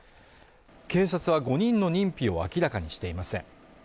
警察は５人の認否を明らかにしていません。